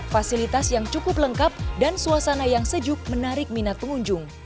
fasilitas yang cukup lengkap dan suasana yang sejuk menarik minat pengunjung